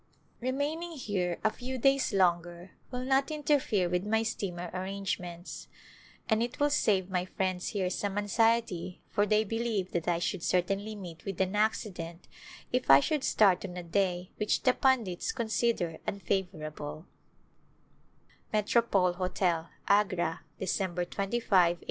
A Glimpse of India Remaining here a few days longer will not inter fere with my steamer arrangements, and it will save my friends here some anxiety for they believe that I should certainly meet with an accident if I should start on a day which the pundits consider unfavorablco Metropole Hotel^ Agra^ Dec, 25, i8g^.